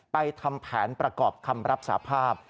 ทำแผนประกอบคำรับสาภาพ